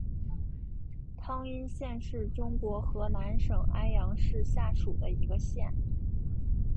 汤阴县是中国河南省安阳市下属的一个县。